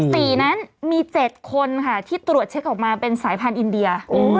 ปีนั้นมี๗คนค่ะที่ตรวจเช็คออกมาเป็นสายพันธุ์อินเดีย